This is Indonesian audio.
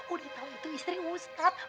udah tau itu istri ustadz